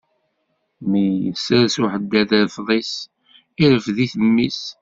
Mi yessers uḥeddad afḍis, irefd-it mmi-s.